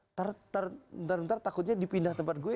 ntar ntar ntar takutnya dipindah tempat gue